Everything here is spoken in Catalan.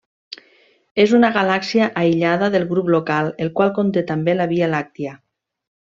És una galàxia aïllada del Grup Local el qual conté també la Via Làctia.